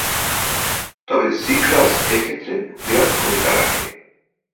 তবে sea grass এক্ষেত্রে বিরাট ভুমিকা রাখে।